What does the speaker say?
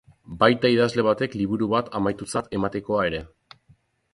Baita idazle batek liburu bat amaitutzat ematekoa ere.